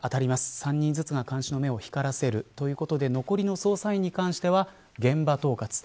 ３人ずつが監視の目を光らせるということで残りの捜査員に関しては現場統括。